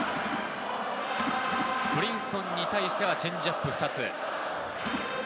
ブリンソンに対してはチェンジアップ２つ。